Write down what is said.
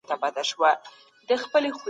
په ټولنيزو علومو کې وړاندوینه ستونزمنه ده.